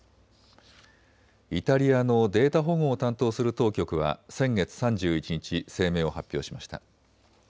イタリアのデータ保護を担当する当局は先月３１日、声明を発表しました。